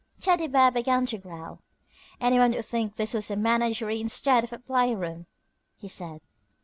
Teddy Bear began to growl. "Anyone would think this was a menagerie instead of a playroom," he said.